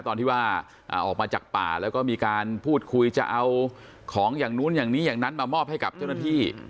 ตอนที่ว่าออกมาจากป่าแล้วก็มีการพูดคุยจะเอาของอย่างนู้นอย่างนี้อย่างนั้นมามอบให้กับเจ้าหน้าที่